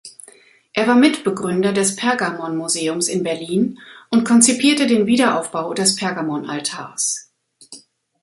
Er war Mitbegründer des Pergamonmuseums in Berlin und konzipierte den Wiederaufbau des Pergamonaltars.